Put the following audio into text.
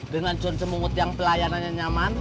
dengan john semungut yang pelayanannya nyaman